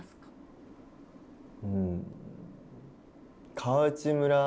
うん。